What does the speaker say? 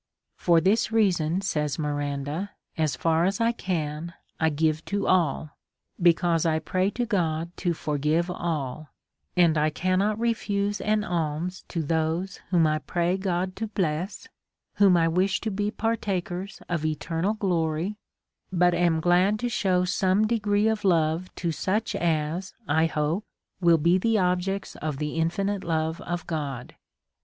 For this reason, says Mi randa, as far as I can I give to all, because I pray to God to forgive all; and I cannot refuse an alms to those whom 1 pray to God to bless, whom I wish to be partakers of eternal glory ; but am glad to shew some degree of love to such as, I hope, will be the objects of the infinite love of God.